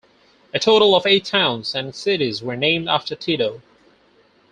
A total of eight towns and cities were named after Tito.